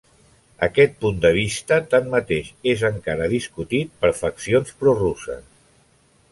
Aquest punt de vista tanmateix és encara discutit per faccions prorusses.